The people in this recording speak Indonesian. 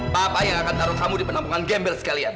papa yang akan taruh kamu di penampungan gembel sekalian